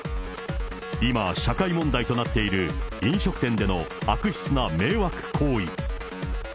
今社会問題となっている飲食店での悪質な迷惑行為。